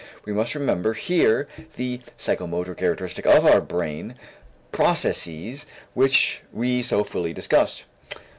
We must remember here the psychomotor character of our brain processes which we so fully discussed.